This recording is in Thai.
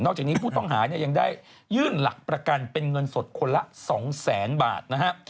จากนี้ผู้ต้องหาเนี่ยยังได้ยื่นหลักประกันเป็นเงินสดคนละ๒แสนบาทนะฮะ